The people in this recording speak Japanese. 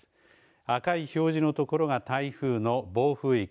赤い表示のところが台風の暴風域。